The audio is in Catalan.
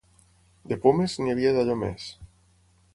De pomes, n'hi havia d'allò més.